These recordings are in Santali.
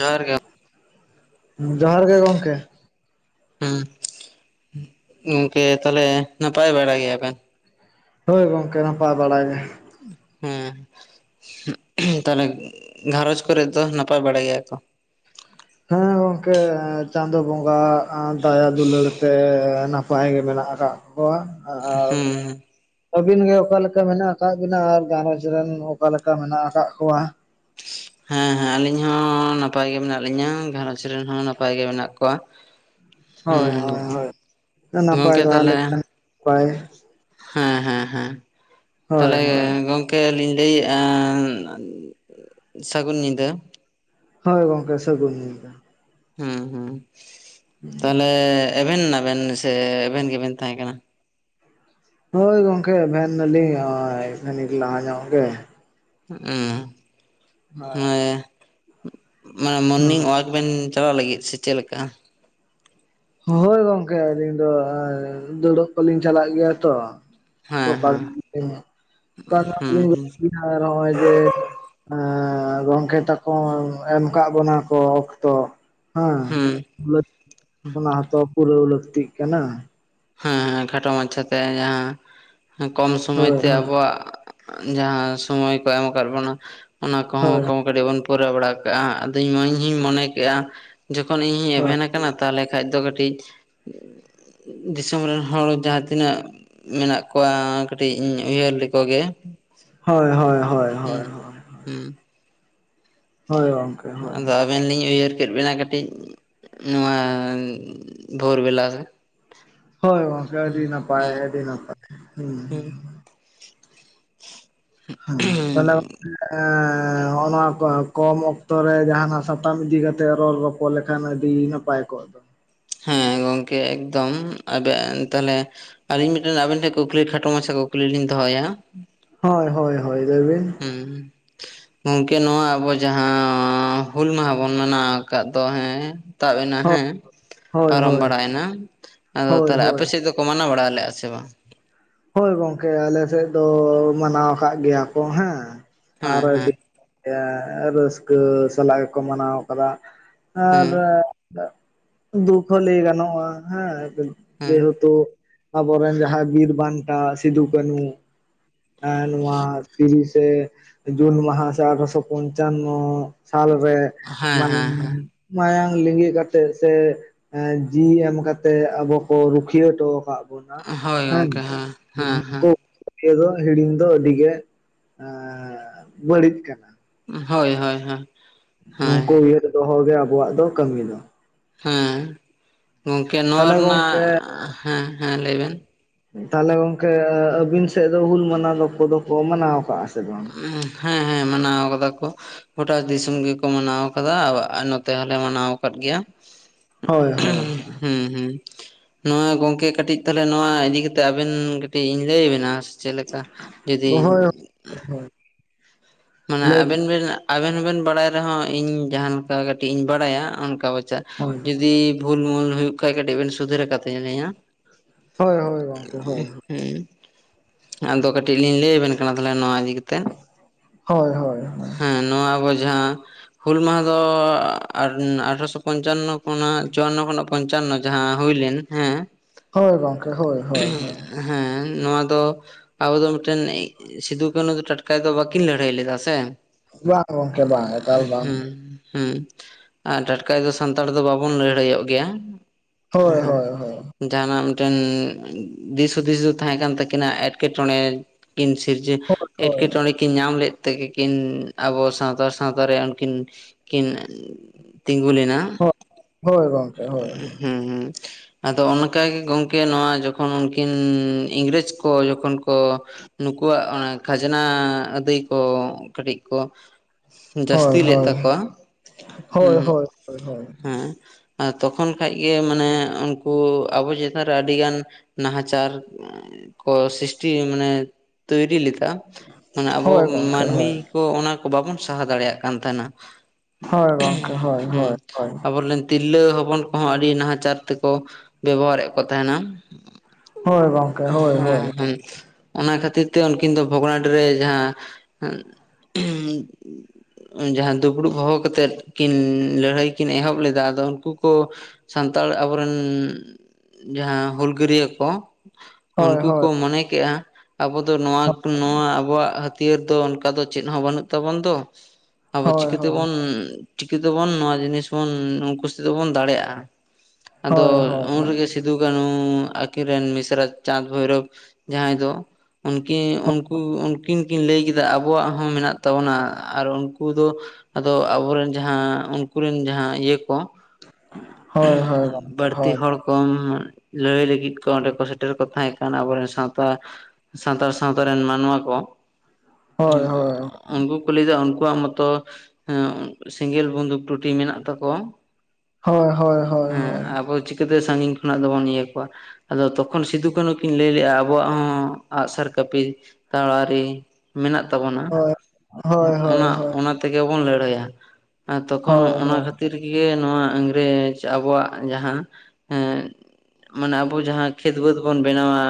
ᱡᱚᱦᱟᱨ ᱜᱮᱯ ᱾ ᱡᱚᱸᱦᱟᱨ ᱜᱮ ᱜᱚᱝᱠᱮ᱾ ᱦᱮᱸ, ᱜᱚᱝᱠᱮ ᱛᱟᱦᱚᱞᱮ ᱱᱟᱯᱟᱭ ᱵᱟᱲᱟ ᱜᱮᱭᱟ ᱵᱮᱱ? ᱦᱳᱭ ᱜᱚᱝᱠᱮ ᱱᱟᱯᱟᱭ ᱵᱟᱲᱟ ᱜᱮ᱾ ᱦᱮᱸ᱾ ᱛᱟᱦᱚᱞᱮ ᱜᱷᱟᱨᱚᱸᱡᱽ ᱠᱚᱨᱮᱫ ᱫᱚ ᱱᱟᱯᱟᱭ ᱵᱟᱲᱟ ᱜᱮᱭᱟ ᱠᱚ? ᱦᱮᱸ ᱜᱚᱝᱠᱮ ᱪᱟᱸᱫᱳ ᱵᱚᱸᱜᱟᱣᱟᱜ ᱫᱟᱭᱟ ᱫᱩᱞᱟᱹᱲ ᱛᱮ ᱱᱟᱯᱟᱭ ᱜᱮ ᱢᱮᱱᱟᱜ ᱟᱠᱟᱜ ᱦᱚᱠᱭᱟ ᱟᱨ ᱦᱮᱸ ᱟᱹᱵᱤᱱ ᱜᱮ ᱚᱠᱟ ᱞᱮᱠᱟ ᱢᱮᱱᱟᱜ ᱠᱟᱜ ᱵᱤᱱᱟ ᱟᱨ ᱜᱷᱟᱨᱚᱡᱽ ᱨᱮᱱ ᱚᱠᱟ ᱞᱮᱠᱟ ᱢᱮᱱᱟ ᱟᱠᱟᱜ ᱠᱚᱣᱟ? ᱦᱮᱸ ᱦᱮᱸ ᱟᱹᱞᱤᱧ ᱦᱚᱸ ᱱᱟᱯᱟᱭ ᱜᱮ ᱢᱮᱱᱟᱜ ᱞᱤᱧᱟᱹ ᱜᱷᱟᱨᱚᱸᱡᱽ ᱨᱮᱱ ᱦᱚᱸ ᱱᱟᱯᱟᱭ ᱜᱮ ᱢᱮᱱᱟᱜ ᱠᱚᱣᱟ᱾ [inaudible] ᱦᱳᱭ ᱦᱩᱸ ᱦᱳᱭ ᱦᱳᱭ ᱱᱟᱯᱟᱭ ᱜᱚᱝᱠᱮ ᱛᱟᱦᱮ ᱛᱟᱦᱚᱞᱮ ᱞᱮᱱᱠᱷᱟᱱ ᱱᱟᱯᱟᱭ᱾ ᱦᱮᱸ ᱦᱮᱸ ᱦᱮᱸ ᱦᱳᱭ ᱛᱟᱦᱞᱮ ᱦᱳᱭ ᱜᱚᱝ ᱠᱮ ᱞᱤᱧ ᱞᱟᱹᱭᱮᱜ-ᱟ ᱥᱟᱹᱜᱩᱱ ᱧᱤᱫᱟᱹ᱾ ᱦᱳᱭ ᱜᱚᱝᱠᱮ ᱥᱟᱹᱜᱩᱱ ᱧᱤᱫᱟᱹ᱾ ᱦᱮᱸ ᱦᱮᱸ᱾ [inaudible] ᱛᱟᱦᱞᱮ ᱮᱵᱷᱮᱱ ᱱᱟᱵᱮᱱ ᱥᱮ ᱮᱵᱷᱮᱱ ᱜᱮᱵᱮᱱ ᱛᱟᱦᱮᱸ ᱠᱟᱱᱟ? ᱦᱳᱭ ᱜᱚᱝᱠᱮ ᱮᱵᱷᱮᱱ ᱱᱟᱞᱤᱧ ᱦᱚᱜ-ᱚᱸᱭ ᱠᱟᱹᱱᱤᱠ ᱞᱟᱦᱟ ᱧᱚᱜ ᱜᱮ᱾ ᱦᱩᱸ [inaudible] ᱢᱟᱱᱮ ᱦᱳᱭ ᱢᱚᱨᱱᱤᱝ ᱚᱳᱣᱟᱠ ᱵᱮᱱ ᱪᱟᱞᱟᱜ ᱞᱟᱹᱜᱤᱫ ᱥᱮ ᱪᱮᱫ ᱞᱮᱠᱟ? ᱦᱳᱭ ᱜᱚᱝᱠᱮ ᱟᱹᱞᱤᱧ ᱫᱚ ᱚᱸᱭ ᱫᱟᱹᱲᱟᱹᱜ ᱠᱚᱞᱤᱧ ᱪᱟᱞᱟᱜ ᱜᱮᱭᱟ ᱛᱚ᱾ ᱦᱮᱸ ᱦᱮᱸ ᱦᱩᱸ ᱦᱩᱸ [unintelligible] ᱮᱸ ᱜᱚᱝᱠᱮ ᱛᱟᱠᱚ ᱮᱢ ᱠᱟᱜ ᱵᱚᱱᱟ ᱠᱚ ᱚᱠᱛᱚ᱾ ᱦᱮᱸ ᱦᱩᱸ ᱞᱟᱹᱠ ᱚᱱᱟ ᱦᱚᱸᱛᱚ ᱯᱩᱨᱟᱹᱣ ᱞᱟᱹᱠᱛᱤᱜ ᱠᱟᱱᱟ᱾ ᱦᱮᱸ ᱦᱮᱸ ᱠᱷᱟᱴᱚ ᱢᱟᱪᱷᱟ ᱛᱮ ᱡᱟᱦᱟᱸ ᱦᱮᱸ ᱠᱚᱢ ᱥᱚᱢᱚᱭ ᱦᱳᱭ ᱛᱮ ᱦᱳᱭ ᱟᱵᱚᱣᱟᱜ ᱡᱟᱦᱟᱸ ᱥᱚᱢᱚᱭ ᱠᱚ ᱮᱢ ᱟᱠᱟᱫ ᱵᱚᱱᱟ ᱚᱱᱟ ᱠᱚᱦᱚᱸ ᱠᱚ ᱠᱟᱹᱴᱤᱡ ᱵᱚᱱ ᱯᱩᱨᱟᱹᱣ ᱵᱟᱲᱟ ᱠᱟᱜ-ᱟ ᱦᱟᱸᱜ᱾ ᱟᱫᱚᱧ ᱤᱧ ᱦᱚᱧ ᱢᱚᱱᱮ ᱠᱮᱜ-ᱟ ᱡᱚᱠᱷᱚᱱ ᱤᱧᱦᱚᱧ ᱮᱵᱷᱮᱱ ᱟᱠᱟᱱᱟ ᱛᱟᱦᱟᱞᱮ ᱠᱷᱟᱡ ᱫᱚ ᱠᱟᱹᱴᱤᱡ ᱫᱤᱥᱚᱢ ᱨᱮᱱ ᱦᱚᱲ ᱡᱟᱦᱟᱸ ᱛᱤᱱᱟᱹᱜ ᱢᱮᱱᱟᱜ ᱠᱚᱣᱟ ᱠᱟᱹᱴᱤᱡ ᱤᱧ ᱩᱭᱦᱟᱹᱨ ᱞᱮᱠᱚ ᱜᱮ ᱾ ᱦᱚᱭ ᱦᱚᱭ ᱦᱚᱭ ᱦᱚᱭ᱾ ᱦᱩᱸ ᱦᱩᱸ᱾ ᱦᱳᱭ ᱜᱟᱝᱠᱮ᱾ ᱟᱫᱚ ᱟᱵ ᱟᱵᱮᱱᱞᱤᱧ ᱩᱭᱦᱟᱹᱨ ᱠᱮᱫ ᱵᱮᱱᱟ ᱠᱟᱹᱴᱤᱡ ᱱᱚᱣᱟ ᱵᱷᱳᱨ ᱵᱮᱞᱟᱨᱮ᱾ ᱦᱳᱭ ᱜᱚᱝᱠᱮ, ᱟᱹᱰᱤ ᱱᱟᱯᱟᱭ ᱦᱩᱸ ᱟᱹᱰᱤ ᱱᱟᱯᱟᱭ, ᱦᱮᱸ ᱦᱩᱸ᱾ ᱦᱮᱸ, ᱛᱟᱦᱚᱞᱮ ᱜᱚᱝᱠᱮ ᱦᱚᱸᱜ-ᱚ ᱱᱚᱣᱟ ᱠᱚᱢ ᱚᱠᱛᱚ ᱨᱮ ᱡᱟᱦᱟᱸᱱᱟᱜ ᱥᱟ ᱥᱟᱛᱟᱢ ᱤᱫᱤ ᱠᱟᱛᱮᱜ ᱨᱚᱲ ᱨᱚᱯᱚᱲ ᱞᱮᱠᱷᱟᱱ ᱟᱹᱰᱤ ᱱᱟᱯᱟᱭ ᱠᱚᱜ ᱫᱚ᱾ ᱦᱮᱸ ᱜᱚᱝᱠᱮ ᱮᱠᱫᱚᱢ ᱟᱵᱮᱱ ᱛᱟᱦᱚᱞᱮ ᱟᱹᱞᱤᱧ ᱢᱤᱫᱴᱮᱱ ᱟᱵᱤᱱ ᱴᱷᱮᱱ ᱠᱩᱠᱞᱤ ᱠᱷᱟᱴᱚ ᱢᱟᱪᱷᱟ ᱠᱩᱠᱞᱤ ᱞᱤᱧ ᱫᱚᱦᱚᱭᱟ᱾ ᱦᱳᱭ ᱦᱳᱭ ᱦᱳᱭ ᱞᱟᱹᱭ ᱵᱤᱱ᱾ ᱦᱩᱸ᱾ ᱜᱚᱝᱠᱮ ᱱᱚᱣᱟ ᱟᱵᱚ ᱡᱟᱦᱟᱸ ᱦᱩᱞ ᱢᱟᱦᱟ ᱵᱚᱱ ᱢᱟᱱᱟᱣ ᱟᱠᱟᱫ ᱫᱚ ᱦᱮᱸ᱾ ᱛᱟᱵ ᱮᱱᱟ ᱦᱳᱭ ᱦᱮᱸ, ᱦᱳᱭ ᱯᱟᱨᱚᱢ ᱦᱳᱭ ᱵᱟᱲᱟᱭᱱᱟ᱾ ᱟᱫᱚ ᱦᱳᱭ ᱛᱟᱦᱚᱞᱮ ᱟᱯᱮ ᱦᱳᱭ ᱥᱮᱫ ᱫᱚ ᱠᱚ ᱢᱟᱱᱟᱣ ᱵᱟᱲᱟ ᱞᱮᱜ-ᱟ ᱥᱮ ᱵᱟᱝ? ᱦᱳᱭ ᱜᱚᱝᱠᱮ ᱟᱞᱮ ᱥᱮᱫ ᱫᱚ ᱢᱟᱱᱟᱣ ᱟᱠᱟᱫ ᱜᱮᱭᱟ ᱠᱚ ᱦᱮᱸ ᱦᱮᱸ ᱟᱨ ᱟᱹᱰᱤ ᱦᱮᱸ ᱭᱟ ᱨᱟᱹᱥᱠᱟᱹ ᱥᱟᱞᱟᱜ ᱜᱮᱠᱚ ᱢᱟᱱᱟᱣ ᱠᱟᱫᱟ ᱾ ᱦᱮᱸ ᱟᱨ ᱫᱩᱠ ᱦᱚᱸ ᱞᱟᱹᱭ ᱜᱟᱱᱚᱜᱼᱟ ᱦᱮᱸ, ᱦᱮᱸ ᱡᱮᱦᱮᱛᱩ ᱟᱵᱚᱨᱮᱱ ᱡᱟᱦᱟᱸ ᱵᱤᱨ ᱵᱟᱱᱴᱟ ᱥᱤᱫᱩ ᱠᱟᱱᱩ ᱮᱸ ᱱᱚᱣᱟ ᱛᱤᱨᱤᱥᱮᱻ ᱡᱩᱱ ᱢᱟᱦᱟ ᱥᱮ ᱟᱴᱷᱨᱚᱥᱚ ᱯᱚᱧᱪᱟᱱᱱᱚ ᱥᱟᱞᱨᱮ, ᱦᱮᱸ ᱦᱮᱸ ᱦᱮᱸ ᱢᱟᱹᱱᱢᱤ ᱢᱟᱭᱟᱝ ᱞᱤᱸᱜᱤ ᱠᱟᱛᱮᱜ ᱥᱮ, ᱡᱤᱣᱤ ᱮᱢ ᱠᱟᱛᱮ ᱟᱵᱚ ᱠᱚ ᱨᱩᱠᱷᱤᱭᱟᱹ ᱦᱚᱴᱚ ᱟᱠᱟᱫ ᱵᱚᱱᱟ ᱾ ᱚᱱᱟ ᱦᱳᱭ ᱜᱚᱝᱠᱮ ᱦᱮᱸ- ᱦᱮᱸ ᱦᱮᱸ ᱤᱭᱟᱹ ᱫᱚ ᱦᱤᱲᱤᱧ ᱫᱚ ᱟᱹᱰᱤ ᱜᱮ ᱮᱸ ᱵᱟᱹᱲᱤᱡ ᱠᱟᱱᱟ ᱾ ᱦᱳᱭ ᱦᱳᱭ ᱦᱳᱭ ᱾ ᱱᱩᱝᱠᱩ ᱩᱭᱦᱟᱹᱨ ᱫᱚᱦᱚ ᱜᱮ ᱟᱵᱚᱣᱟᱜ ᱫᱚ ᱠᱟᱹᱢᱤ ᱫᱚ ᱾ ᱦᱮᱸ ᱾ ᱜᱚᱝᱠᱮ ᱱᱚᱣᱟ ᱛᱟᱦᱚᱞᱮ ᱨᱮᱱᱟᱜ, ᱜᱚᱝᱠᱮ ᱦᱮᱸ, ᱦᱮᱸ, ᱞᱟᱹᱭ ᱵᱮᱱ ᱾ ᱛᱟᱦᱟᱚᱞᱮ ᱜᱚᱝᱠᱮ ᱟᱹᱵᱤᱱ ᱥᱮᱫ ᱫᱚ ᱦᱩᱞ ᱢᱟᱱᱟᱣ ᱫᱚ ᱠᱚ ᱫᱚᱠᱚ ᱢᱟᱱᱟᱣ ᱟᱠᱟᱜ-ᱟ ᱥᱮ? ᱵᱟᱝ ᱦᱮᱸ ᱦᱮᱸ, ᱢᱟᱱᱟᱣ ᱠᱟᱫᱟ ᱠᱚ ᱾ ᱜᱚᱴᱟ ᱫᱤᱥᱚᱢ ᱜᱮ ᱠᱚ ᱢᱟᱱᱟᱣ ᱟᱠᱟᱫᱟ, ᱟ ᱱᱚᱛᱮ ᱦᱚᱸᱞᱮ ᱢᱟᱱᱟᱣ ᱟᱠᱟᱫ ᱜᱮᱭᱟ ᱾ ᱦᱳᱭ ᱦᱩᱸ ᱦᱳᱭ ᱦᱩᱸ ᱾ ᱱᱚᱣᱟ ᱜᱚᱝᱠᱮ ᱠᱟᱹᱴᱤᱡ ᱛᱟᱦᱚᱞᱮ ᱱᱚᱣᱟ ᱤᱫᱤ ᱠᱟᱛᱮ ᱟᱵᱮᱱ ᱠᱟᱹᱴᱤᱡ ᱤᱧ ᱞᱟᱹᱭᱟᱵᱤᱱᱟ ᱾ ᱪᱮᱞᱮᱠᱟ ᱡᱩᱫᱤᱻ ᱦᱳᱭ ᱦᱳᱭ ᱾ ᱢᱟᱱᱮ ᱟᱵᱮᱱ ᱵᱮᱱ ᱟᱵᱮᱱ ᱵᱮᱱ ᱵᱟᱲᱟᱭ ᱨᱮᱦᱚᱸ ᱤᱧ ᱡᱟᱦᱟᱸ ᱱᱮᱠᱟ ᱠᱟᱹᱴᱤᱡ ᱤᱧ ᱵᱟᱲᱟᱭᱟ, ᱚᱱᱠᱟ ᱵᱟᱪᱟᱜ ᱦᱳᱭ ᱾ ᱡᱩᱫᱤ ᱵᱷᱩᱞ ᱢᱩᱞ ᱦᱩᱭᱩᱜ ᱠᱷᱟᱡ ᱠᱟᱹᱴᱤᱡ ᱵᱤᱱ ᱥᱩᱫᱷᱨᱟᱹ ᱠᱟᱛᱤᱧ ᱞᱤᱧᱟ ᱾ ᱦᱳᱭ ᱦᱳᱭ ᱜᱚᱝᱠᱮ, ᱦᱳᱭ ᱾ ᱦᱩᱸ ᱾ ᱟᱫᱚ ᱠᱟᱹᱴᱤᱡ ᱞᱤᱧ ᱞᱟᱹᱭᱟᱵᱮᱱ ᱠᱟᱱᱟ ᱛᱟᱦᱚᱞᱮ ᱱᱚᱣᱟ ᱤᱫᱤ ᱠᱟᱛᱮᱫ᱾ ᱦᱳᱭ ᱦᱳᱭ ᱾ ᱦᱮᱸ, ᱱᱚᱣᱟ ᱟᱵᱚ ᱡᱟᱦᱟᱸ ᱦᱩᱞ ᱢᱟᱦᱟ ᱫᱚ ᱟᱴᱷᱮᱨᱚᱥᱚ ᱯᱚᱧᱪᱟᱱᱱᱚ ᱠᱷᱚᱱᱟᱜ ᱪᱩᱣᱟᱱᱱᱚ ᱠᱷᱚᱱᱟᱜ ᱯᱚᱧᱪᱟᱱᱱᱚ ᱡᱟᱦᱟᱸ ᱦᱩᱭᱞᱮᱱ ᱦᱮᱸ ᱾ ᱦᱳᱭ ᱜᱚᱝᱠᱮ, ᱦᱳᱭ ᱦᱳᱭ ᱦᱳᱭ ᱾ ᱦᱮᱻ ᱱᱚᱣᱟ ᱫᱚ ᱟᱵᱚ ᱫᱚ ᱢᱤᱫᱴᱮᱱ ᱥᱤᱫᱩ ᱠᱟᱱᱩ ᱫᱚ ᱴᱟᱴᱠᱟᱭ ᱫᱚ ᱵᱟᱠᱤᱱ ᱞᱟᱲᱟᱹᱭ ᱞᱮᱫᱟ ᱥᱮ ᱾ ᱵᱟᱝ ᱜᱚᱝᱠᱮ ᱵᱟᱝ ᱾ ᱦᱩᱸ ᱦᱩᱸ ᱟᱨ ᱴᱟᱴᱠᱟᱭ ᱫᱚ ᱥᱟᱱᱛᱟᱲ ᱫᱚ ᱵᱟᱵᱚᱱ ᱞᱟᱹᱲᱦᱟᱹᱭᱚᱜ ᱜᱮᱭᱟ ᱾ ᱦᱳᱭ ᱦᱳᱭ ᱦᱳᱭ ᱾ ᱡᱟᱦᱟᱸᱱᱟᱜ ᱢᱤᱫᱴᱮᱱᱻ ᱫᱤᱥ ᱦᱩᱫᱤᱥ ᱫᱚ ᱛᱟᱦᱮᱸ ᱠᱟᱱ ᱛᱟᱹᱠᱤᱱᱟ ᱮᱴᱠᱮᱴᱚᱬᱮ ᱠᱤᱱ ᱥᱤᱨᱡᱟᱹ ᱦᱳᱭ ᱦᱳᱭ ᱮᱴᱠᱮᱴᱚᱬᱮ ᱠᱤᱱ ᱧᱟᱢ ᱞᱮᱫ ᱛᱮᱜᱮ ᱠᱤᱱ ᱟᱵᱚ ᱥᱟᱶᱛᱟᱨ ᱥᱟᱶᱛᱟ ᱨᱮ ᱩᱱᱠᱤᱱ, ᱠᱤᱱ ᱛᱤᱸᱜᱩ ᱞᱮᱱᱟ ᱾ ᱳᱦ ᱦᱳᱭ ᱦᱳᱭ ᱜᱚᱝᱠᱮ, ᱦᱳᱭ ᱦᱳᱭ ᱾ ᱦᱩᱸ ᱦᱩᱸ ᱟᱫᱚ ᱚᱱᱠᱟᱜᱮ ᱜᱚᱢᱠᱮ ᱱᱚᱣᱟ ᱡᱚᱠᱷᱚᱱ ᱩᱱᱠᱤᱱᱻ ᱤᱝᱨᱮᱡᱽ ᱠᱚ ᱡᱚᱠᱷᱚᱱ ᱠᱚ ᱱᱩᱠᱩᱣᱟᱜ ᱚᱱᱟ ᱠᱷᱟᱡᱽᱱᱟ ᱟᱹᱫᱟᱹᱭ ᱠᱚ ᱠᱟᱹᱴᱤᱡ ᱠᱚᱼᱼ ᱡᱟᱹᱥᱛᱤ ᱦᱳᱭ ᱞᱮᱫ ᱦᱳᱭ ᱛᱟᱠᱚᱣᱟ ᱦᱳᱭ ᱩᱸᱜ ᱦᱳᱭ ᱦᱳᱭ ᱦᱮᱸ᱾ ᱛᱚᱠᱷᱚᱱ ᱠᱷᱟᱡ ᱜᱮ ᱢᱟᱱᱮ ᱩᱱᱠᱩ ᱟᱵᱚ ᱪᱮᱛᱟᱱ ᱨᱮ ᱟᱹᱰᱤᱜᱟᱱ ᱱᱟᱦᱟᱪᱟᱨᱼᱼ ᱠᱚ ᱥᱨᱤᱥᱴᱤ ᱢᱟᱱᱮ ᱛᱚᱭᱨᱤ ᱞᱮᱫᱟ᱾ ᱢᱟᱱᱮ ᱟᱵᱚ ᱦᱳᱭ ᱜᱚᱝᱠᱮ ᱢᱟᱹᱱᱢᱤ ᱦᱳᱭ ᱠᱚ ᱚᱱᱟ ᱠᱚ ᱵᱟᱵᱚᱱ ᱥᱟᱦᱟ ᱫᱟᱲᱮᱭᱟᱜ ᱠᱟᱱ ᱛᱟᱸᱦᱮᱱᱟ᱾ ᱦᱳᱭ ᱜᱚᱝᱠᱮ ᱦᱳᱭ ᱦᱩᱸ ᱦᱳᱭ ᱦᱳᱭ ᱟᱵᱚᱞᱮᱱ ᱛᱤᱨᱞᱟᱹ ᱦᱚᱯᱚᱱ ᱠᱚᱦᱚᱸ ᱟᱹᱰᱤ ᱱᱟᱦᱟᱪᱟᱨ ᱛᱮᱠᱚ ᱵᱮᱵᱚᱦᱟᱨᱮᱫ ᱠᱚ ᱛᱟᱦᱮᱱᱟ᱾ ᱦᱳᱭ ᱜᱚᱝᱠᱮ ᱦᱳᱭ ᱦᱳᱭ᱾ ᱦᱩᱸ᱾ ᱚᱱᱟ ᱠᱷᱟᱹᱛᱤᱨ ᱛᱮ ᱩᱱᱠᱤᱱ ᱫᱚ ᱵᱷᱚᱜᱽᱱᱟᱰᱤ ᱨᱮ ᱡᱟᱦᱟᱸ ᱡᱟᱦᱟᱸ ᱫᱩᱯᱲᱩᱵ ᱦᱚᱦᱚ ᱠᱟᱛᱮᱫ ᱠᱤᱱ ᱞᱟᱹᱲᱦᱟᱹᱭ ᱠᱤᱱ ᱮᱦᱚᱵ ᱞᱮᱫᱟ ᱟᱫᱚ ᱩᱱᱠᱩ ᱠᱚ ᱥᱟᱱᱛᱟᱲ ᱟᱵᱚ ᱨᱮᱱ ᱡᱟᱦᱟᱸ ᱦᱩᱞᱜᱟᱹᱨᱤᱭᱟᱹ ᱠᱚ, ᱦᱳᱭ ᱦᱳᱭ ᱩᱱᱠᱩ ᱠᱚ ᱦᱳᱭ ᱦᱳᱭ ᱦᱳᱭ ᱢᱚᱱᱮ ᱠᱮᱜᱼᱟ ᱟᱵᱚ ᱫᱚ ᱱᱚᱣᱟᱜ ᱱᱚᱣᱟ ᱟᱵᱚᱣᱟᱜ ᱦᱟᱹᱛᱭᱟᱹᱨ ᱫᱚ ᱚᱱᱠᱟ ᱫᱚ ᱪᱮᱫ ᱦᱚᱸ ᱵᱟᱹᱱᱩᱜ ᱛᱟᱵᱚᱱ ᱫᱚ, ᱟᱵᱚ ᱪᱤᱠᱟᱹᱛᱮᱵᱚᱱ ᱪᱤᱠᱟᱹ ᱛᱮᱵᱚᱱ ᱱᱚᱣᱟ ᱡᱤᱱᱤᱥ ᱵᱚᱱ ᱩᱱᱠᱩ ᱥᱟᱛᱮ ᱵᱚᱱ ᱫᱟᱲᱮᱜᱼᱟ? ᱟᱫᱚ ᱦᱳᱭ ᱩᱱ ᱨᱮᱜᱮ ᱥᱤᱫᱩ ᱠᱟᱹᱱᱦᱩ ᱟᱹᱠᱤᱱ ᱨᱮᱱ ᱢᱤᱥᱨᱟ ᱪᱟᱸᱫᱽ ᱵᱷᱳᱭᱨᱚᱵᱽ ᱡᱟᱦᱟᱸᱭ ᱫᱚ, ᱩᱱᱠᱤᱱ ᱩᱱᱠᱩ ᱩᱱᱠᱤᱱ ᱠᱤᱱ ᱞᱟᱹᱭ ᱠᱮᱫᱟ ᱟᱵᱚᱣᱟᱜ ᱦᱚᱸ ᱢᱮᱱᱟᱜ ᱛᱟᱵᱚᱱᱟ ᱟᱨ ᱩᱱᱠᱩ ᱫᱚ ᱟᱫᱚ ᱟᱵᱚᱨᱮᱱ ᱡᱟᱦᱟᱸ ᱩᱱᱠᱩᱨᱮᱱ ᱡᱟᱦᱟᱸ ᱤᱭᱟᱹ ᱠᱚ, ᱦᱳᱭ ᱦᱳᱭ ᱜᱚᱝᱠᱮ ᱵᱟᱹᱲᱛᱤ ᱦᱳᱭ ᱦᱚᱲ ᱠᱚᱢ ᱞᱟᱹᱲᱦᱟᱹᱭ ᱞᱟᱹᱜᱤᱫ ᱠᱚ ᱚᱸᱰᱮ ᱠᱚ ᱥᱮᱴᱮᱨ ᱠᱚ ᱛᱟᱦᱮᱸ ᱠᱟᱱ ᱟᱵᱚᱨᱮᱱ ᱥᱟᱶᱛᱟ ᱥᱟᱱᱛᱟᱲ ᱥᱟᱶᱛᱟ ᱨᱮᱱ ᱢᱟᱱᱣᱟ ᱠᱚ, ᱦᱳᱭ ᱦᱳᱭ ᱩᱱᱠᱩ ᱠᱚ ᱞᱟᱹᱭᱫᱟ ᱩᱱᱠᱩᱣᱟᱜ ᱢᱚᱛᱚ ᱦᱮᱸ ᱥᱮᱸᱜᱮᱞ ᱵᱩᱱᱫᱩᱠ ᱴᱩᱴᱤ ᱢᱮᱱᱟᱜ ᱛᱟᱠᱚᱣᱟ᱾ ᱦᱳᱭ ᱦᱳᱭ ᱦᱳᱭ᱾ ᱦᱮᱸ ᱟᱵᱚ ᱪᱤᱠᱟᱹᱛᱮ ᱥᱟᱹᱜᱤᱧ ᱠᱷᱚᱱᱟᱜ ᱫᱚᱵᱚᱱ ᱤᱭᱟᱹ ᱠᱚᱣᱟ? ᱟᱫᱚ ᱛᱚᱠᱷᱚᱱ ᱥᱤᱫᱩ ᱠᱟᱹᱱᱩ ᱠᱤᱱ ᱞᱟᱹᱭ ᱞᱮᱜ-ᱟ ᱟᱵᱚᱣᱟᱜ ᱦᱚᱸ ᱟᱜᱼᱥᱟᱨ ᱠᱟᱹᱯᱤ ᱛᱟᱲᱣᱟᱨᱤ ᱢᱮᱱᱟᱜ ᱛᱟᱵᱚᱱᱟ᱾ ᱦᱳᱭ ᱦᱳᱭ ᱦᱳᱭ ᱚᱱᱟ ᱦᱳᱭ ᱦᱳᱭ ᱚᱱᱟ ᱛᱮᱜᱮ ᱵᱚᱱ ᱞᱟᱹᱲᱦᱟᱹᱭᱟ᱾ ᱛᱚᱠᱷᱚᱱ ᱦᱳᱭ ᱚᱱᱟ ᱠᱷᱟᱹᱛᱤᱨ ᱜᱮ ᱱᱚᱣᱟ ᱤᱝᱨᱮᱡᱽ ᱟᱵᱚᱣᱟᱜ ᱡᱟᱦᱟᱸ ᱮᱸ ᱢᱟᱱᱮ ᱟᱵᱚ ᱡᱟᱦᱟᱸ ᱠᱷᱮᱛ ᱵᱟᱹᱫᱽ ᱵᱚᱱ ᱵᱮᱱᱟᱣᱟ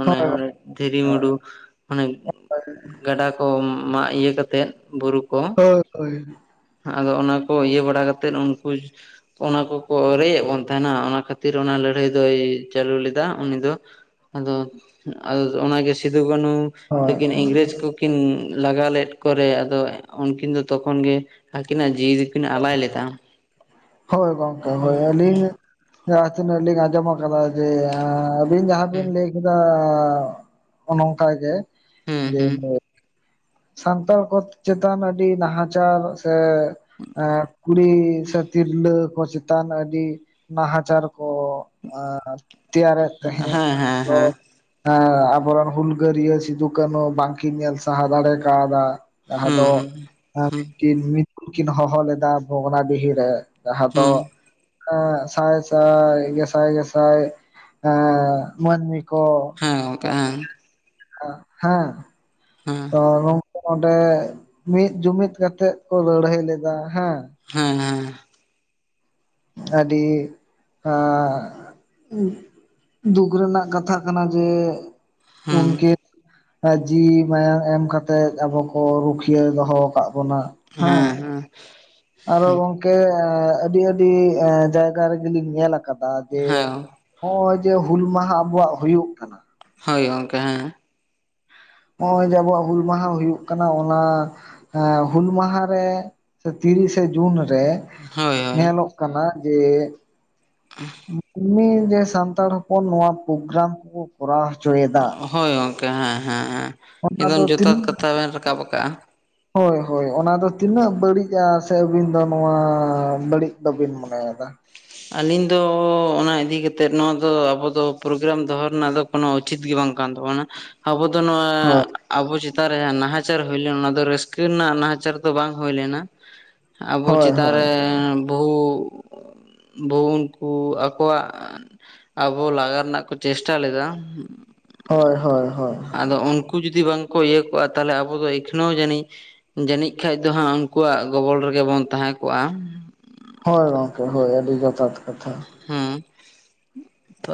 ᱚᱱᱮ ᱦᱳᱭ ᱚᱸᱰᱮ ᱫᱷᱤᱨᱤ ᱢᱩᱰᱩ ᱚᱱᱮ ᱜᱟᱰᱟ ᱠᱚᱢ ᱢᱟᱜ ᱤᱭᱟᱹ ᱠᱟᱛᱮᱫ ᱵᱩᱨᱩ ᱠᱚ ᱦᱳᱭ ᱦᱳᱭ᱾ ᱟᱫᱚ ᱚᱱᱟ ᱠᱚ ᱤᱭᱟᱹ ᱵᱟᱲᱟ ᱠᱟᱛᱮᱫ ᱩᱱᱠᱩ ᱚᱱᱟ ᱠᱚᱠᱚ ᱨᱮᱡᱮᱫ ᱵᱚᱱ ᱛᱟᱦᱮᱱᱟ, ᱚᱱᱟ ᱠᱷᱟᱹᱛᱤᱨ ᱚᱱᱟ ᱞᱟᱹᱲᱦᱟᱹᱭ ᱫᱚᱭ ᱪᱟᱹᱞᱩ ᱞᱮᱫᱟ ᱩᱱᱤ ᱫᱚ᱾ ᱟᱫᱚ ᱟᱫᱚ ᱚᱱᱟ ᱜᱮ ᱥᱤᱫᱩ ᱠᱟᱹᱱᱦᱩ ᱦᱳᱭ ᱛᱟᱹᱠᱤᱱ ᱦᱳᱭ ᱤᱝᱨᱮᱡᱽ ᱠᱚ ᱠᱤᱱ ᱞᱟᱜᱟ ᱞᱮᱫ ᱠᱚᱨᱮ, ᱟᱫᱚ ᱩᱱᱠᱤᱱ ᱫᱚ ᱛᱚᱠᱷᱚᱱ ᱜᱮ ᱟᱹᱠᱤᱱᱟᱜ ᱡᱤᱣᱤ ᱫᱚᱠᱤᱱ ᱟᱞᱟᱭ ᱞᱮᱫᱟ᱾ ᱦᱳᱭ ᱜᱚᱝᱠᱮ ᱦᱳᱭ, ᱟᱹᱞᱤᱧ ᱡᱟᱦᱟᱸ ᱛᱤᱱᱟᱹᱜ ᱞᱤᱧ ᱟᱸᱡᱚᱢ ᱟᱠᱟᱫᱟ ᱡᱮ ᱟᱹᱵᱤᱱ ᱡᱟᱦᱟᱸ ᱦᱩᱸ ᱵᱤᱱ ᱞᱟᱹᱭ ᱠᱮᱫᱟ ᱮᱸ ᱱᱚᱝᱠᱟ ᱜᱮ ᱦᱩᱸ ᱡᱮ ᱦᱩᱸ ᱥᱟᱱᱛᱟᱲ ᱠᱚ ᱪᱮᱛᱟᱱ ᱟᱹᱰᱤ ᱱᱟᱦᱟᱪᱟᱨ ᱥᱮ ᱮᱸ ᱠᱩᱲᱤ ᱥᱮ ᱛᱤᱨᱞᱟᱹ ᱠᱚ ᱪᱮᱛᱟᱱ ᱟᱹᱰᱤ ᱱᱟᱦᱟᱪᱟᱨ ᱠᱚ ᱮᱸ ᱛᱮᱭᱟᱨᱮᱫ ᱛᱟᱦᱮᱸᱫ ᱦᱮᱸ ᱦᱮᱸ ᱟᱫᱚ ᱦᱮᱸ ᱦᱮᱸ ᱟᱵᱚᱨᱮᱱ ᱦᱩᱞᱜᱟᱹᱨᱭᱟᱹ ᱥᱤᱫᱩ ᱠᱱᱦᱩ ᱵᱟᱝᱠᱤᱱ ᱧᱮᱞ ᱥᱟᱦᱟᱳ ᱫᱟᱲᱮ ᱠᱟᱣᱫᱟ᱾ ᱡᱟᱦᱟᱸ ᱦᱩᱸ ᱫᱚ ᱦᱩᱸ [inaudible] ᱠᱤᱱ ᱦᱚᱦᱚ ᱞᱮᱫᱟ ᱵᱷᱚᱜᱽᱱᱟᱰᱤᱦᱤ ᱨᱮ᱾ ᱡᱟᱦᱟᱸ ᱫᱚ ᱦᱩᱸ ᱮᱸ ᱥᱟᱭ ᱥᱟᱭ, ᱜᱮᱥᱟᱭ ᱜᱮᱥᱟᱭ ᱮᱸ ᱢᱟᱹᱱᱢᱤ ᱠᱚ ᱦᱮᱸ ᱜᱚᱝᱠᱮ ᱦᱮᱸ᱾ [inaudible] ᱦᱮᱸ᱾ ᱦᱮᱸ ᱛᱚ ᱱᱚᱝᱠᱩ ᱱᱚᱰᱮ ᱢᱤᱫ ᱡᱩᱢᱤᱫ ᱠᱟᱛᱮᱫ ᱠᱚ ᱞᱟᱹᱲᱦᱟᱹᱭ ᱞᱮᱫᱟ ᱦᱮᱸ᱾ ᱦᱮᱸ ᱦᱮᱸ᱾ ᱟᱹᱰᱤ ᱟᱸ ᱫᱩᱠᱷ ᱨᱮᱱᱟᱜ ᱠᱟᱛᱷᱟ ᱠᱟᱱᱟ ᱡᱮ ᱦᱩᱸ ᱩᱱᱠᱤᱱ ᱡᱤᱣᱤ ᱢᱟᱭᱟᱝ ᱮᱢ ᱠᱟᱛᱮᱜ ᱟᱵᱚ ᱠᱚ ᱨᱩᱠᱷᱤᱭᱟᱹ ᱫᱚᱦᱚ ᱟᱠᱟᱜ ᱵᱚᱱᱟ ᱾ ᱦᱮᱸ ᱦᱮᱸ ᱾ ᱟᱨᱚ ᱜᱚᱝᱠᱮ ᱟᱹᱰᱤ ᱟᱹᱰᱤ ᱡᱟᱭᱜᱟ ᱨᱮᱜᱮ ᱞᱤᱧ ᱧᱮᱞ ᱟᱠᱟᱫᱟ ᱡᱮ ᱦᱮᱸ ᱱᱚᱜ-ᱚᱭ ᱡᱮ ᱦᱩᱞ ᱢᱟᱦᱟ ᱟᱵᱚᱣᱟᱜ ᱦᱩᱭᱩᱜ ᱠᱟᱱᱟ ᱦᱳᱭ ᱜᱚᱝᱠᱟᱮ ᱦᱮᱸ ᱾ ᱱᱚᱜ-ᱚᱭ ᱡᱮ ᱟᱵᱚᱣᱟᱜ ᱦᱩᱞ ᱢᱟᱦᱟ ᱦᱩᱭᱩᱜ ᱠᱟᱱᱟ ᱚᱱᱟ ᱦᱩᱞ ᱢᱟᱦᱟ ᱨᱮ ᱥᱮ ᱛᱤᱨᱤᱥᱮ ᱡᱩᱱ ᱨᱮ ᱦᱳᱭ ᱦᱳᱭ ᱧᱮᱞᱚᱜ ᱠᱟᱱᱟ ᱡᱮ ᱮᱢᱱᱤ ᱜᱮ ᱥᱟᱱᱛᱟᱲ ᱦᱚᱯᱚᱱ ᱱᱚᱣᱟ ᱯᱨᱳᱜᱨᱟᱢ ᱠᱚᱠᱚ ᱠᱚᱨᱟᱣ ᱦᱚᱪᱚᱭᱮᱫᱟ ᱾ ᱦᱳᱭ ᱜᱚᱝᱠᱮ ᱦᱮᱸ ᱦᱮᱸ ᱦᱮᱸ ᱮᱫᱚᱢ ᱫᱚ ᱡᱚᱛᱷᱟᱛ ᱛᱤᱱᱟᱹᱜ ᱠᱟᱛᱷᱟ ᱵᱮᱱ ᱨᱟᱠᱟᱵ ᱟᱠᱟᱜ-ᱟ᱾ ᱦᱳᱭ ᱦᱳᱭ ᱚᱱᱟ ᱫᱚ ᱛᱤᱱᱟᱹᱜ ᱵᱟᱹᱲᱤᱡ-ᱟ ᱥᱮ ᱟᱹᱵᱤᱱ ᱫᱚ ᱱᱚᱣᱟ ᱵᱟᱹᱲᱤᱡ ᱵᱟᱵᱤᱱ ᱢᱚᱱᱮᱭᱮᱫᱟ? ᱟᱹᱞᱤᱧ ᱫᱚ ᱚᱱᱟ ᱤᱫᱤ ᱠᱟᱛᱮᱫ ᱱᱚᱣᱟ ᱫᱚ ᱟᱵᱚ ᱯᱨᱳᱜᱨᱟᱢ ᱫᱚᱦᱚ ᱨᱮᱱᱟᱜ ᱫᱚ ᱠᱳᱱᱳ ᱩᱪᱤᱛ ᱜᱮ ᱵᱟᱝ ᱠᱟᱱ ᱛᱟᱵᱚᱱᱟ ᱟᱵᱚ ᱫᱚ ᱱᱚᱣᱟ ᱦᱳᱭ ᱟᱵᱚ ᱪᱮᱛᱟᱱ ᱨᱮ ᱡᱟᱦᱟᱸ ᱱᱟᱦᱟᱪᱟᱨ ᱦᱩᱭ ᱞᱮᱱ ᱚᱱᱟ ᱫᱚ ᱨᱟᱹᱥᱠᱟᱹ ᱨᱮᱱᱟᱜ ᱱᱟᱦᱟᱪᱟᱨ ᱫᱚ ᱵᱟᱝ ᱦᱩᱭ ᱞᱮᱱᱟ᱾ ᱟᱵᱚ ᱦᱳᱭ ᱪᱮᱛᱟᱱ ᱦᱳᱭ ᱨᱮ ᱵᱚᱦᱩ ᱵᱚᱦᱩ ᱩᱱᱠᱩ ᱟᱠᱚᱣᱟᱜ ᱟᱵᱚ ᱞᱟᱜᱟ ᱨᱮᱱᱟᱜ ᱠᱚ ᱪᱮᱥᱴᱟ ᱞᱮᱫᱟ᱾ ᱦᱚᱭ ᱦᱚᱭ ᱦᱚᱭ᱾ ᱟᱫᱚ ᱩᱱᱠᱩ ᱡᱩᱫᱤ ᱵᱟᱝᱠᱚ ᱤᱭᱟᱹ ᱠᱚᱜ-ᱟ ᱛᱟᱦᱚᱞᱮ ᱟᱵᱚ ᱫᱚ ᱮᱠᱷᱱᱟᱹᱣ ᱡᱟᱹᱱᱤᱡ ᱡᱟᱹᱱᱤᱡ ᱠᱷᱟᱡ ᱫᱚ ᱦᱟᱸᱜ ᱩᱱᱠᱩᱣᱟᱜ ᱜᱚᱵᱚᱞ ᱨᱮᱜᱮ ᱵᱚᱱ ᱛᱟᱦᱮᱸ ᱠᱚᱜ-ᱟ ᱾ ᱦᱳᱭ ᱜᱚᱝᱠᱮ ᱦᱳᱭ ᱟᱹᱰᱤ ᱡᱚᱛᱷᱟᱛ ᱠᱟᱛᱷᱟ ᱾ ᱦᱩᱸ ᱾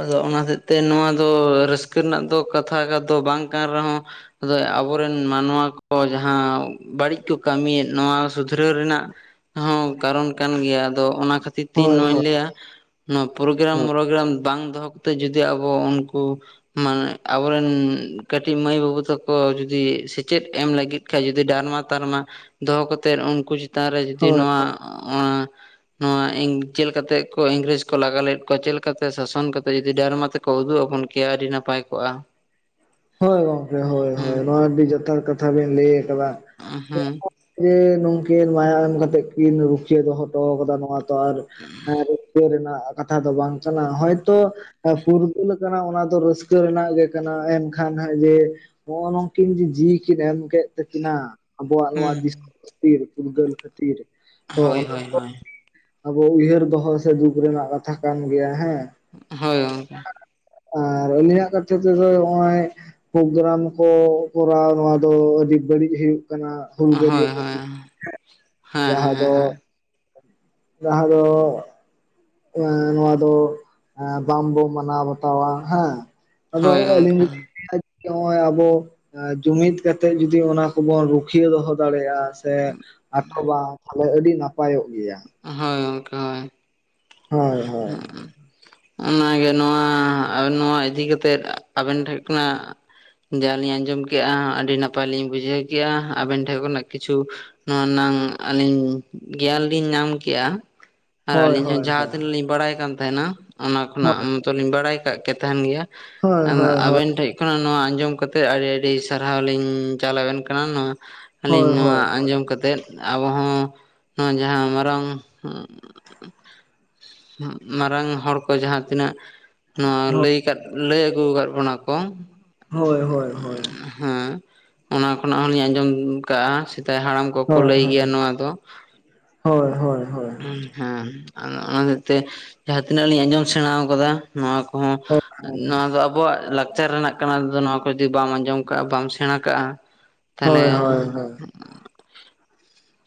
ᱟᱫᱚ ᱚᱱᱟ ᱦᱚᱛᱮᱜ ᱛᱮ ᱱᱚᱣᱟ ᱫᱚ ᱨᱟᱹᱥᱠᱟᱹ ᱨᱮᱱᱟᱜ ᱫᱚ ᱠᱟᱛᱷᱟ ᱫᱚ ᱵᱟᱝ ᱠᱟᱱ ᱨᱮᱦᱚᱸ ᱟᱫᱚ ᱟᱵᱚᱨᱮᱱ ᱢᱟᱱᱣᱟ ᱠᱚ ᱡᱟᱦᱟᱸ ᱵᱟᱹᱲᱤᱡ ᱠᱚ ᱠᱟᱹᱢᱤᱭᱮᱫ ᱱᱚᱣᱟ ᱥᱩᱫᱷᱨᱟᱹᱣ ᱨᱮᱱᱟᱜ ᱦᱚᱸ ᱠᱟᱨᱚᱱ ᱠᱟᱱ ᱜᱮᱭᱟ ᱟᱫᱚ ᱚᱱᱟ ᱠᱷᱟᱹᱛᱤᱨ ᱛᱮᱧ ᱦᱳᱭ ᱱᱚᱣᱟᱧ ᱦᱳᱭ ᱞᱟᱹᱭᱟ᱾ ᱱᱚᱣᱟ ᱯᱨᱳᱜᱨᱟᱢ ᱦᱳᱭ ᱢᱳᱜᱨᱟᱢ ᱵᱟᱝ ᱫᱚᱦᱚ ᱠᱟᱛᱮᱫ ᱡᱩᱫᱤ ᱟᱵᱚ ᱩᱱᱠᱩ ᱢᱟᱱᱮ ᱟᱵᱚᱨᱮᱱ ᱠᱟᱹᱴᱤᱡ ᱢᱟᱹᱭ ᱵᱟᱹᱵᱩ ᱛᱟᱠᱚ ᱡᱩᱫᱤ ᱥᱮᱪᱮᱫ ᱮᱢ ᱞᱟᱹᱜᱤᱫ ᱠᱷᱟᱡ ᱡᱩᱫᱤ ᱰᱟᱨᱢᱟ ᱛᱟᱨᱢᱟ ᱫᱚᱦᱚ ᱠᱟᱛᱮᱫ ᱩᱱᱠᱩ ᱪᱮᱛᱟᱱ ᱨᱮ ᱡᱩᱫᱤ ᱦᱳᱭ ᱱᱚᱣᱟ ᱱᱚᱣᱟ ᱪᱮᱫᱞᱮ ᱠᱟᱛᱮ ᱠᱚ ᱤᱝᱨᱮᱡᱽ ᱠᱚ ᱞᱟᱜᱟ ᱞᱮᱫ ᱠᱚᱣᱟ ᱪᱮᱫ ᱛᱮ ᱥᱟᱥᱚᱱ ᱠᱟᱛᱮ ᱡᱩᱫᱤ ᱰᱟᱨᱢᱟ ᱛᱮᱠᱚ ᱩᱫᱩᱜ ᱟᱵᱚᱱ ᱠᱮᱭᱟ ᱟᱹᱰᱤ ᱱᱟᱯᱟᱭ ᱠᱚᱜ-ᱟ᱾ ᱦᱳᱭ ᱜᱚᱢᱠᱮ ᱦᱳᱭ ᱦᱳᱭ ᱱᱚᱣᱟ ᱟᱰᱤ ᱡᱚᱛᱷᱟᱛ ᱠᱟᱛᱷᱟ ᱵᱮᱱ ᱞᱟᱹᱭ ᱟᱠᱟᱫᱟ ᱦᱮᱸ ᱾ ᱡᱮ ᱱᱩᱝᱠᱤᱱ ᱢᱟᱭᱟᱢ ᱮᱢ ᱠᱟᱛᱮᱜ ᱠᱤᱱ ᱨᱩᱠᱷᱤᱭᱟᱹ ᱫᱚᱦᱚ ᱦᱚᱴᱚ ᱠᱟᱫᱟ ᱱᱚᱣᱟ ᱛᱚ ᱟᱨ ᱤᱭᱟᱹ ᱨᱮᱱᱟᱜ ᱠᱟᱛᱷᱟ ᱫᱚ ᱵᱟᱝ ᱠᱟᱱᱟ ᱦᱚᱭᱛᱚ ᱯᱷᱩᱨᱜᱟᱹᱞ ᱠᱟᱱᱟ ᱚᱱᱟ ᱫᱚ ᱨᱟᱹᱥᱠᱟᱹ ᱨᱮᱱᱟᱜ ᱜᱮ ᱠᱟᱱᱟ ᱮᱱᱠᱷᱟᱱ ᱠᱷᱟᱱ ᱦᱟᱸᱜ ᱡᱮ ᱱᱚᱜ-ᱚ ᱱᱚᱝᱠᱤᱱ ᱡᱮ ᱡᱤᱣᱭᱤ ᱠᱤᱱ ᱮᱢ ᱠᱮᱫ ᱛᱟᱹᱠᱤᱱᱟ ᱟᱵᱚᱣᱟᱜ ᱱᱚᱣᱟ ᱦᱮᱸ ᱫᱤᱥᱚᱢ [unintelligible] ᱯᱷᱩᱨᱜᱟᱹᱞ ᱠᱷᱟᱹᱛᱤᱨ ᱦᱳᱭ ᱦᱳᱭ ᱦᱳᱭ [unintelligible] ᱟᱵᱚ ᱩᱭᱦᱟᱹᱨ ᱫᱚᱦᱚ ᱥᱮ ᱫᱩᱠ ᱨᱮᱱᱟᱜ ᱠᱟᱛᱷᱟ ᱠᱟᱱ ᱜᱮᱭᱟ ᱦᱮᱸ᱾ ᱦᱳᱭ ᱜᱚᱝᱠᱮ ᱟᱨ ᱟᱞᱤᱧᱟᱜ ᱠᱟᱛᱷᱟ ᱛᱮᱫᱚ ᱱᱚᱜ-ᱚᱭ ᱯᱨᱳᱜᱨᱟᱢ ᱠᱚ ᱠᱚᱨᱟᱣ ᱱᱚᱣᱟ ᱫᱚ ᱟᱹᱰᱤ ᱵᱟᱹᱲᱤᱡ ᱦᱩᱭᱩᱜ ᱠᱟᱱᱟ᱾ ᱦᱩᱞᱜᱟᱹᱨᱭᱟᱹ ᱦᱳᱭ ᱠᱚ ᱦᱳᱭ ᱦᱮᱸ ᱡᱟᱦᱟᱸ ᱦᱮᱸ ᱫᱚ ᱦᱮᱸ ᱡᱟᱦᱟᱸ ᱫᱚ ᱱᱚᱣᱟ ᱫᱚ ᱵᱟᱝᱵᱚ ᱢᱟᱱᱟᱣ ᱵᱟᱛᱟᱣᱟ ᱦᱮᱸ ᱾ ᱟᱫᱚ ᱦᱳᱭ ᱟᱞᱤᱧ ᱜᱚᱝᱠᱮ ᱞᱤᱧ [unintelligible] ᱱᱚᱜ-ᱚᱭ ᱟᱵᱚ ᱡᱩᱢᱤᱫ ᱠᱟᱛᱮᱜ ᱡᱩᱫᱤ ᱚᱱᱟ ᱠᱚᱵᱚᱱ ᱨᱩᱠᱷᱤᱭᱟᱹ ᱫᱚᱦᱚ ᱫᱟᱲᱮᱭᱟᱜ-ᱟ ᱥᱮ ᱟᱴᱚᱵᱟ ᱛᱟᱦᱚᱞᱮ ᱟᱹᱰᱤ ᱱᱟᱯᱟᱭᱚᱜ ᱜᱮᱭᱟ᱾ ᱦᱳᱭ ᱦᱳᱭ ᱦᱳᱭ [unintelligible] ᱚᱱᱟᱜᱮ ᱱᱚᱣᱟ ᱱᱚᱣᱟ ᱤᱫᱤ ᱠᱟᱛᱮᱫ ᱟᱵᱮᱱ ᱴᱷᱮᱱ ᱠᱷᱚᱱᱟᱜ ᱡᱟᱦᱟᱸ ᱞᱤᱧ ᱟᱸᱡᱚᱢ ᱠᱮᱜᱼᱟ, ᱟᱹᱰᱤ ᱱᱟᱯᱟᱭ ᱞᱤᱧ ᱵᱩᱡᱷᱟᱹᱣ ᱠᱮᱜᱼᱟ, ᱟᱵᱮᱱ ᱴᱷᱮᱱ ᱠᱷᱚᱱᱟᱜ ᱠᱤᱪᱷᱩ ᱱᱚᱣᱟᱱᱟᱝ ᱟᱹᱞᱤᱧ ᱜᱮᱭᱟᱱ ᱞᱤᱧ ᱧᱟᱢ ᱠᱮᱜᱼᱟ ᱟᱨ ᱦᱳᱭ ᱟᱹᱞᱤᱧ ᱦᱚᱸ ᱦᱳᱭ ᱡᱟᱦᱟᱸ ᱛᱤᱱᱟᱹᱜ ᱞᱤᱧ ᱵᱟᱲᱟᱭ ᱠᱟᱱ ᱛᱟᱦᱮᱸᱱᱟ ᱚᱱᱟ ᱠᱷᱚᱱᱟᱜ ᱦᱳᱭ ᱛᱚ ᱞᱤᱧ ᱵᱟᱲᱟᱭ ᱠᱟᱜ ᱠᱮ ᱛᱟᱦᱮᱸᱱ ᱜᱮᱭᱟ ᱦᱳᱭ ᱦᱳᱭ ᱦᱳᱭ ᱟᱵᱮᱱ ᱴᱷᱮᱡ ᱠᱷᱚᱱᱟᱜ ᱱᱚᱣᱟ ᱟᱸᱡᱚᱢ ᱠᱟᱛᱮ ᱛᱮ ᱟᱹᱰᱤ ᱟᱹᱰᱤ ᱥᱟᱨᱦᱟᱣ ᱞᱤᱧ ᱪᱟᱞ ᱟᱵᱮᱱ ᱠᱟᱱᱟ ᱱᱚᱣᱟ ᱦᱳᱭ ᱟᱹᱞᱤᱧ ᱱᱚᱣᱟ ᱦᱳᱭ ᱦᱳᱭ ᱦᱳᱭ ᱟᱸᱡᱚᱢ ᱠᱟᱛᱮᱫ, ᱟᱵᱚ ᱦᱚᱸ ᱱᱚᱣᱟ ᱡᱟᱦᱟᱸ ᱢᱟᱨᱟᱝ ᱢᱟᱨᱟᱝ ᱦᱚᱲ ᱠᱚ ᱡᱟᱦᱟᱸ ᱛᱤᱱᱟᱹᱜ ᱱᱚᱣᱟ ᱦᱳᱭ ᱞᱟᱹᱭ ᱠᱟᱫ ᱞᱟᱹᱭ ᱟᱹᱜᱩ ᱟᱠᱟᱫ ᱵᱚᱱᱟ ᱠᱚ᱾ ᱦᱳᱭ ᱦᱳᱭ ᱦᱳᱭ᱾ ᱦᱮᱸ ᱚᱱᱟ ᱠᱷᱚᱱᱟᱜ ᱦᱚᱞᱤᱧ ᱟᱸᱡᱚᱢ ᱟᱠᱟᱜᱼᱟ ᱥᱮᱫᱟᱭ ᱦᱟᱲᱟᱢ ᱠᱚᱠᱚ ᱦᱳᱭ ᱞᱟᱹᱭ ᱜᱮᱭᱟ ᱦᱳᱭ ᱱᱚᱣᱟ ᱫᱚ [inaudible] ᱦᱳᱭ ᱦᱳᱭ ᱦᱳᱭ᱾ ᱦᱮᱸ ᱟᱫᱚ ᱚᱱᱟ ᱦᱚᱛᱮᱜ ᱛᱮ ᱡᱟᱦᱟᱸ ᱛᱤᱱᱟᱹᱜ ᱞᱤᱧ ᱟᱸᱡᱚᱢ ᱥᱮᱬᱟ ᱟᱠᱟᱫᱟ ᱱᱚᱣᱟ ᱠᱚᱦᱚᱸ ᱦᱳᱭ [inaudible] ᱱᱚᱣᱟ ᱫᱚ ᱟᱵ ᱟᱵᱚᱣᱟᱜ ᱞᱟᱠᱪᱟᱨ ᱨᱮᱱᱟᱜ ᱠᱟᱱᱟ ᱱᱚᱣᱟ ᱠᱚ ᱡᱩᱫᱤ ᱵᱟᱢ ᱟᱸᱡᱚᱢ ᱠᱟᱜᱼᱟ ᱵᱟᱢ ᱥᱮᱬᱟ ᱠᱟᱜᱼᱟ, ᱛᱟᱦᱚᱞᱮ ᱦᱳᱭ ᱦᱳᱭ ᱦᱳᱭ᱾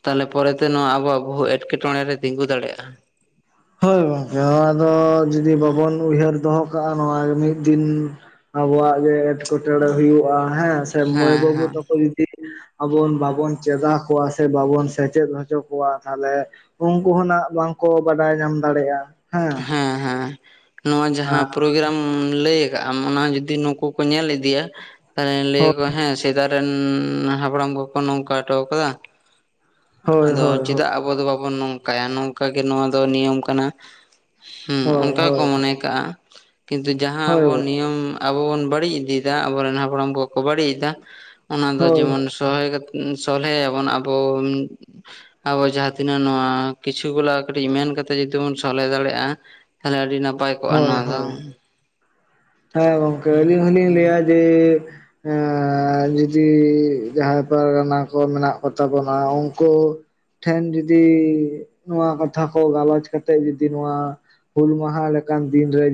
ᱛᱟᱦᱚᱞᱮ ᱯᱚᱨᱮᱛᱮ ᱱᱚᱣᱟ ᱟᱵᱚᱣᱟᱜ ᱵᱚᱦᱩ ᱮᱴᱠᱮᱴᱚᱬᱮ ᱨᱮ ᱛᱤᱸᱜᱩ ᱫᱟᱲᱮᱭᱟᱜᱼᱟ᱾ ᱦᱳᱭ ᱜᱚᱝᱠᱮ ᱱᱚᱣᱟ ᱫᱚ ᱡᱩᱫᱤ ᱵᱟᱵᱚᱱ ᱩᱭᱦᱟᱹᱨ ᱫᱚᱦᱚ ᱠᱟᱜᱼᱟ ᱱᱚᱣᱟ ᱢᱤᱫ ᱫᱤᱱ ᱟᱵᱚᱣᱟᱜ ᱜᱮ ᱮᱸᱴᱠᱮᱴᱚᱬᱮ ᱦᱩᱭᱩᱜᱼᱟ ᱦᱮᱸ ᱥᱮ ᱢᱟᱹᱭ ᱦᱮᱸ ᱵᱟᱹᱵᱩ ᱦᱮᱸ ᱛᱟᱠᱚ ᱡᱩᱫᱤ ᱟᱵᱚ ᱵᱟᱵᱚᱱ ᱪᱮᱫᱟ ᱠᱚᱣᱟ ᱥᱮ ᱵᱟᱵᱚᱱ ᱥᱮᱪᱮᱫ ᱦᱚᱪᱚ ᱠᱚᱣᱟ ᱛᱟᱦᱚᱞᱮ ᱩᱱᱠᱩ ᱦᱚᱸ ᱱᱟᱜ ᱵᱟᱝᱠᱚ ᱵᱟᱰᱟᱭ ᱧᱟᱢ ᱫᱟᱲᱮᱜᱼᱟ᱾ ᱦᱮᱸ ᱦᱮᱸ᱾ ᱱᱚᱣᱟ ᱡᱟᱦᱟᱸ ᱯᱨᱳᱜᱨᱟᱢ ᱞᱟᱹᱭ ᱠᱮᱫ ᱟᱢ ᱚᱱᱟ ᱡᱩᱫᱤ ᱱᱩᱠᱩ ᱠᱚ ᱧᱮᱞ ᱤᱫᱤᱭᱟ, ᱛᱟᱦᱚᱞᱮ ᱞᱟᱹᱭ ᱦᱳᱭ ᱟᱠᱚ ᱦᱮᱸ ᱥᱮᱫᱟᱭ ᱨᱮᱱ ᱦᱟᱯᱲᱟᱢ ᱠᱚ ᱱᱚᱝᱠᱟ ᱦᱚᱴᱚ ᱟᱠᱟᱫᱟ᱾ ᱦᱳᱭ ᱟᱫᱚ ᱦᱳᱭ ᱪᱮᱫᱟᱜ ᱟᱵᱚ ᱫᱚ ᱵᱟᱵᱚᱱ ᱱᱚᱝᱠᱟᱭᱟ ᱱᱚᱝᱠᱟᱜᱮ ᱱᱚᱣᱟ ᱫᱚ ᱱᱤᱭᱚᱢ ᱠᱟᱱᱟ, ᱦᱩᱸ ᱦᱳᱭ ᱚᱱᱠᱟ ᱜᱮᱠᱚ ᱦᱳᱭ ᱢᱚᱱᱮ ᱠᱟᱜᱼᱟ ᱠᱤᱱᱛᱩ ᱡᱟᱦᱟᱸ ᱦᱳᱭ ᱟᱵᱚ ᱱᱤᱭᱚᱢ ᱟᱵᱚ ᱵᱚᱱ ᱵᱟᱹᱲᱤᱡ ᱤᱫᱤᱭᱮᱫᱟ ᱟᱵᱚᱨᱮᱱ ᱦᱟᱯᱲᱟᱢ ᱠᱚᱠᱚ ᱵᱟᱹᱲᱤᱡ ᱮᱫᱟ ᱚᱱᱟ ᱫᱚ ᱦᱳᱭ ᱡᱮᱢᱚᱱ ᱥᱚᱞᱦᱮ ᱠᱟᱛᱮ ᱥᱚᱞᱦᱮᱭᱟ ᱵᱚᱱ ᱟᱵᱚ ᱟᱵᱚ ᱡᱟᱦᱟᱸ ᱛᱤᱱᱟᱹᱜ ᱱᱚᱣᱟ ᱠᱤᱪᱷᱩ ᱜᱩᱞᱟᱹ ᱠᱟᱹᱴᱤᱡ ᱢᱮᱱ ᱠᱟᱛᱮᱫ ᱡᱩᱫᱤ ᱵᱚᱱ ᱥᱚᱞᱦᱮ ᱫᱟᱲᱮᱜᱼᱟ, ᱛᱟᱦᱚᱞᱮ ᱟᱹᱰᱤ ᱱᱟᱯᱟᱭ᱾ ᱦᱳᱭ ᱦᱳᱭ [inaudible] ᱦᱮᱸ ᱜᱚᱝᱠᱮ ᱟᱹᱞᱤᱧ ᱦᱚᱞᱤᱧ ᱞᱟᱹᱭᱟ ᱡᱮ ᱮᱸᱻ ᱡᱩᱫᱤ ᱡᱟᱦᱟᱸᱭ ᱯᱟᱨᱜᱟᱱᱟ ᱠᱚ ᱢᱮᱱᱟᱜ ᱠᱚᱛᱟ ᱵᱚᱱᱟ ᱩᱱᱠᱩ ᱴᱷᱮᱱ ᱡᱩᱫᱤ ᱱᱚᱣᱟ ᱠᱟᱛᱷᱟ ᱠᱚ ᱜᱟᱞᱚᱪ ᱠᱟᱛᱮᱫ ᱡᱩᱫᱤ ᱱᱚᱣᱟ ᱦᱩᱞ ᱢᱟᱦᱟ ᱞᱮᱠᱟᱱ ᱫᱤᱱᱨᱮ